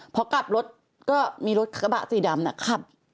พอกลับรถก็มีรถกระบะสีดำขับ